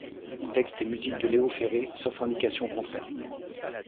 Textes et musiques de Léo Ferré, sauf indication contraire.